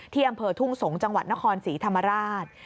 อำเภอทุ่งสงศ์จังหวัดนครศรีธรรมราช